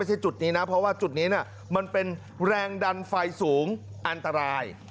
จุดนี้นะเพราะว่าจุดนี้มันเป็นแรงดันไฟสูงอันตราย